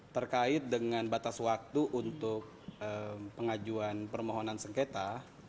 terkait dengan batas waktu untuk pengajuan permohonan sengketa